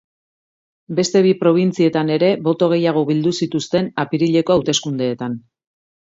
Beste bi probintzietan ere boto gehiago bildu zituzten apirileko hauteskundeetan.